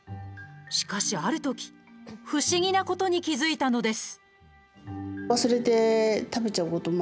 しかし、あるとき不思議なことに気付いたのです。